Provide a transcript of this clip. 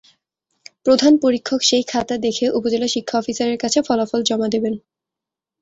প্রধান পরীক্ষক সেই খাতা দেখে উপজেলা শিক্ষা অফিসারের কাছে ফলাফল জমা দেবেন।